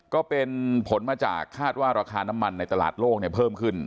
ก็เป็นผลมาจากคาดว่าราคาน้ำมันในตลาดโลกเพิ่มขึ้น